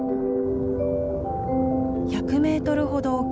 １００メートルほど沖。